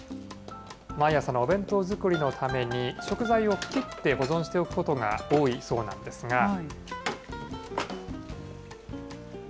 毎朝のお弁当作りのために、食材を切って保存しておくことが多いそうなんですが。